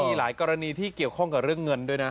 มีหลายกรณีที่เกี่ยวข้องกับเรื่องเงินด้วยนะ